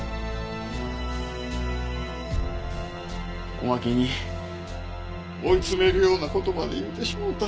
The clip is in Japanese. おまけに追い詰めるような事まで言うてしもうた。